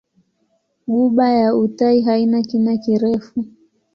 Ghuba ya Uthai haina kina kirefu.